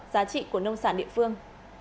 giá trị của nông sản địa phương